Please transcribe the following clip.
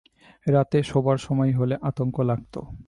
রাতে শোবার সময় হলে আতঙ্ক লাগতো।